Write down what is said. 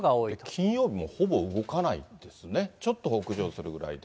金曜日もほぼ動かないですね、ちょっと北上するぐらいで。